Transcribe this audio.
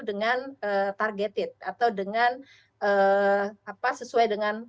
dengan target atau dengan sesuai dengan